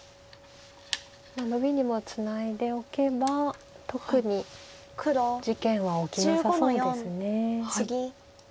ノビにもツナいでおけば特に事件は起きなさそうです。